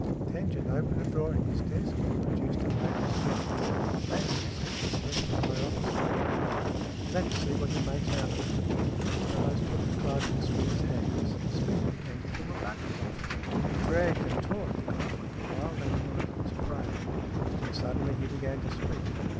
Tangent opened a drawer in his desk, and pro duced a lady's glove. " That," he said, " was left in my office a week ago. Let's see what he makes out of it." Bellowes put the glove in Smeath's hands. Srneath began to pull the buttons off it. He SMEATH 17 dragged and tore at the glove like a wild animal at its prey. Then suddenly he began to speak.